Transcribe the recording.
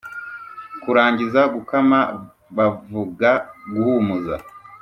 Kurangiza Gukama bavuga Guhumuza